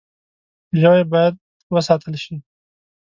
ژوی باید وساتل شي.